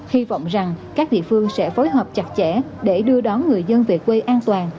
hy vọng rằng các địa phương sẽ phối hợp chặt chẽ để đưa đón người dân về quê an toàn